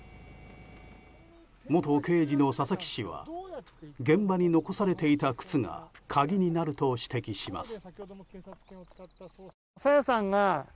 元刑事の佐々木氏は現場に残されていた靴が鍵になると指摘します。